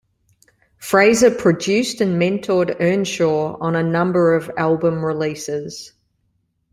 Fraser produced and mentored Earnshaw on a number of album releases.